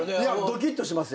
ドキっとします